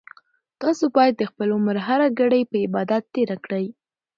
تاسو باید د خپل عمر هره ګړۍ په عبادت تېره کړئ.